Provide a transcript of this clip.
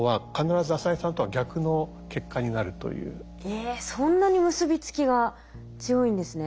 えっそんなに結び付きが強いんですね。